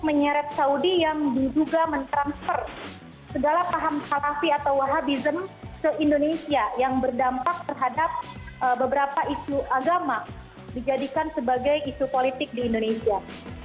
menyeret saudi yang diduga mentransfer segala paham khalafi atau wahabism ke indonesia yang berdampak terhadap beberapa isu agama dijadikan sebagai isu politik di indonesia